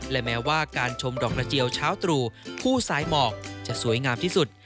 และแม้ว่าการชมดอกกระเจียวเช้าตรู่ผู้สายหมอกจะสวยงามที่สุด